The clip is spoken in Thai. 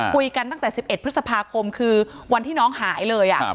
คุยกันตั้งแต่๑๑พฤษภาคมคือวันที่น้องหายเลย